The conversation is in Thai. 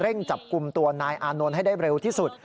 จับกลุ่มตัวนายอานนท์ให้ได้เร็วที่สุด